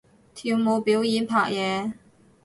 跳舞表演拍嘢